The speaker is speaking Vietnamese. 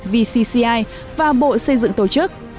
vcci và bộ xây dựng tổ chức